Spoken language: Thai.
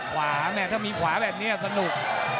แม่ถ้ามีขวาแบบนี้สนุก